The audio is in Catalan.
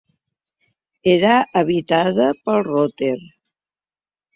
Era habitada pel roter.